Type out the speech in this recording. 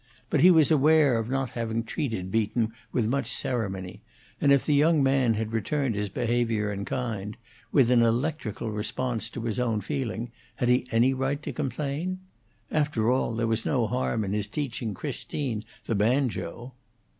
But he was aware of not having treated Beaton with much ceremony, and if the young man had returned his behavior in kind, with an electrical response to his own feeling, had he any right to complain? After all, there was no harm in his teaching Christine the banjo.